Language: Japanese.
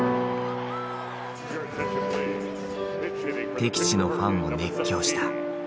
敵地のファンも熱狂した。